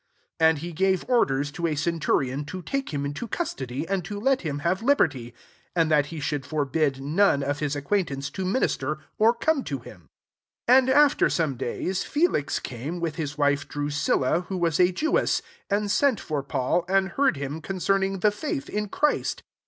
23 \And^ he gave orders to a cen turion to take him into custody, and to let ktm have liberty, and that he should forbid none of his acquaintance to minister [or come] to him. 24 And after some days, Fe lix came, with his wife Drusiila, who was a Jewess, and sent for Paul, and heard him concern ing the faith in Christ.